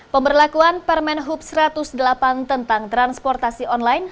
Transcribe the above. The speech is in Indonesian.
pemberlakuan permen hub satu ratus delapan tentang transportasi online